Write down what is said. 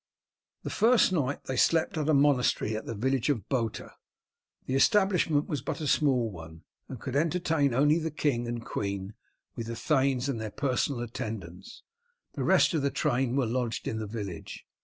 The first night they slept at a monastery at the village of Bautre. The establishment was but a small one, and could entertain only the king and queen, with the thanes and their personal attendants. The rest of the train were lodged in the village.